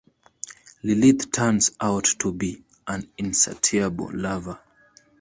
Lilith turns out to be an insatiable lover.